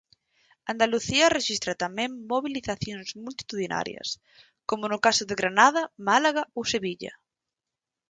Andalucía rexistra tamén mobilizacións multitudinarias, como no caso de Granada Málaga ou Sevilla.